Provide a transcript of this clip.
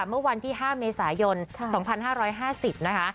เมื่อวันที่๕เมษายน๒๕๕๐นะคะ